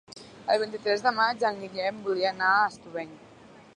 El vint-i-tres de maig en Guillem voldria anar a Estubeny.